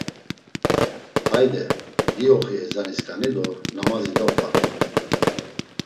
Hayde, diyoxi ezanisǩani do namazi dop̌at…